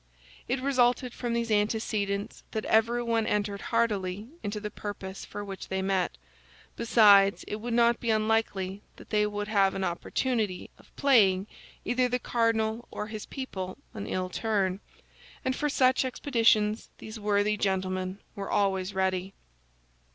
It resulted from these antecedents that everyone entered heartily into the purpose for which they met; besides, it would not be unlikely that they would have an opportunity of playing either the cardinal or his people an ill turn, and for such expeditions these worthy gentlemen were always ready.